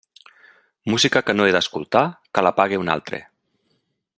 Música que no he d'escoltar, que la pague un altre.